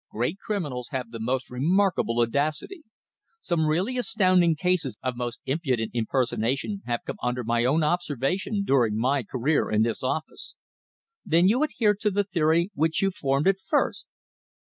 Great criminals have the most remarkable audacity. Some really astounding cases of most impudent impersonation have come under my own observation during my career in this office." "Then you adhere to the theory which you formed at first?"